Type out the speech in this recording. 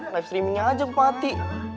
live streamingnya aja empati